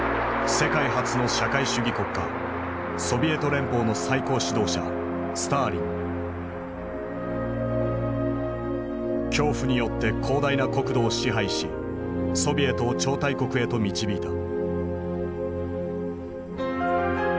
世界初の社会主義国家ソビエト連邦の最高指導者恐怖によって広大な国土を支配しソビエトを超大国へと導いた。